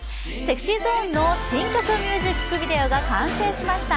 ＳｅｘｙＺｏｎｅの新曲ミュージックビデオが完成しました。